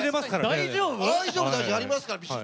大丈夫びしっとやりますから！